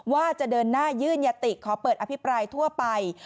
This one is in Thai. ว่าจะเดินหน้ายื่นยติขอเปิดอภิปรายทั่วไป